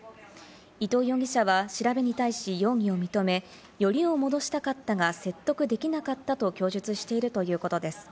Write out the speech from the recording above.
伊藤容疑者は調べに対し容疑を認め、よりを戻したかったが説得できなかったと供述しているということです。